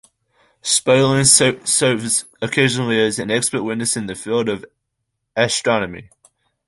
Sperling serves occasionally as an expert witness in the field of astronomy.